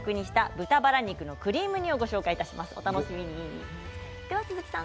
豚バラ肉のクリーム煮をご紹介します。